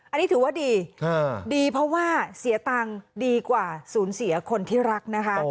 อันนี้ถือว่าดีดีเพราะว่าเสียตังค์ดีกว่าสูญเสียคนที่รักนะคะ